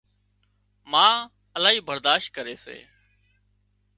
ما الاهي برادشت ڪري سي